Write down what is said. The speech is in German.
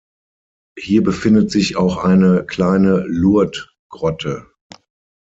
Hier befindet sich auch eine kleine Lourdes-Grotte.